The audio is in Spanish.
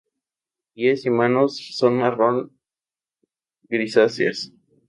Pies y manos son marrón grisáceas.